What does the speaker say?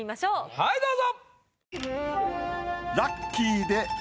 はいどうぞ！